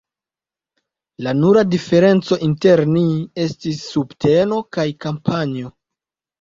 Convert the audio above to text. La nura diferenco inter ni estis subteno kaj kampanjo.